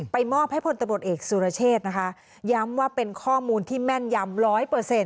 ไปมอบให้พลตบทเอกสุรเชษฐ์นะคะย้ำว่าเป็นข้อมูลที่แม่นยำ๑๐๐